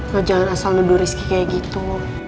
lo jangan asal nuduh rizky kayak gitu